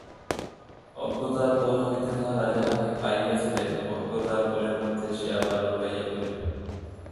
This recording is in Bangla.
অজ্ঞাতের কোল হইতে তাঁহারা যাহাকে পাইয়াছিলেন অজ্ঞাতের কোলের মধ্যেই সে আবার লুকাইয়া পড়িল।